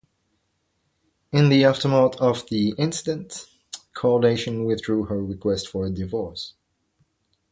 In the aftermath of the incident, Kardashian withdrew her request for a divorce.